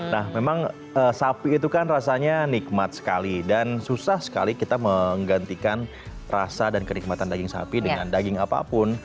nah memang sapi itu kan rasanya nikmat sekali dan susah sekali kita menggantikan rasa dan kenikmatan daging sapi dengan daging apapun